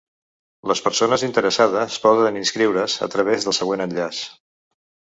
Les persones interessades poden inscriure’s a través del següent enllaç.